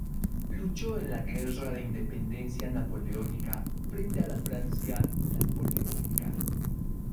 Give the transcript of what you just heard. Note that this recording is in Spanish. Luchó en la Guerra de Independencia Española frente a la Francia Napoleónica.